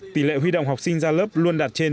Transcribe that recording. tỷ lệ huy động học sinh ra lớp luôn đạt trên chín mươi năm